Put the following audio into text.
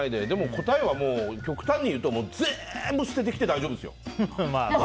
答えは極端に言うと全部捨てて大丈夫ですよ。